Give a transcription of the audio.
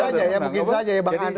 saja ya mungkin saja ya bang andre